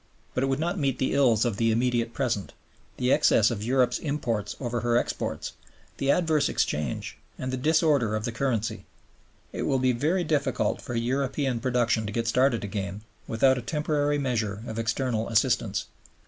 But it would not meet the ills of the immediate present, the excess of Europe's imports over her exports, the adverse exchange, and the disorder of the currency. It will be very difficult for European production to get started again without a temporary measure of external assistance.